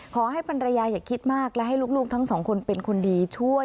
ภรรยาอย่าคิดมากและให้ลูกทั้งสองคนเป็นคนดีช่วย